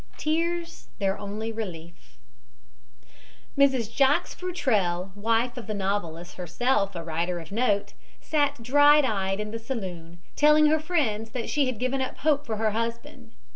TEARS THEIR ONLY RELIEF Mrs. Jacques Futrelle, wife of the novelist, herself a writer of note, sat dry eyed in the saloon, telling her friends that she had given up hope for her husband.